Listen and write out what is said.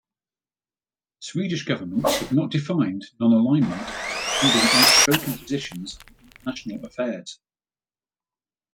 Swedish governments have not defined nonalignment as precluding outspoken positions in international affairs.